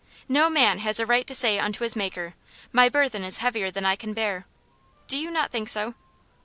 No man has a right to say unto his Maker, 'My burthen is heavier than I can bear.' Do you not think so?"